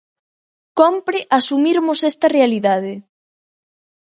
Cómpre asumirmos esta realidade.